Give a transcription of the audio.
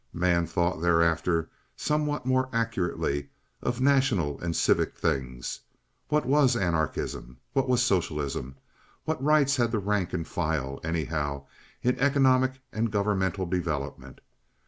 Man thought thereafter somewhat more accurately of national and civic things. What was anarchism? What socialism? What rights had the rank and file, anyhow, in economic and governmental development?